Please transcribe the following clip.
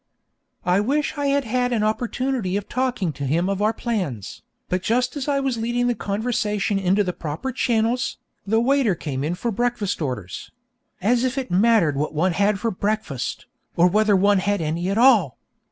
I wish I had had an opportunity of talking to him of our plans, but just as I was leading the conversation into the proper channels, the waiter came in for breakfast orders as if it mattered what one had for breakfast, or whether one had any at all.